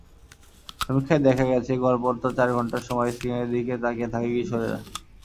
সমীক্ষায় দেখা গেছে, গড়পড়তা চার ঘণ্টা সময় স্ক্রিনের দিকে চেয়ে থাকে কিশোররা।